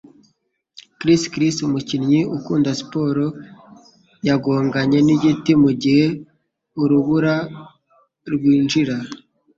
Chris Chris, umukinnyi ukunda siporo, yagonganye nigiti mugihe urubura rwinjira.